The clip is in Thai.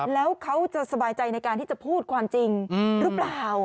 แล้วเขาจะสบายใจในการที่จะพูดความจริงหรือเปล่า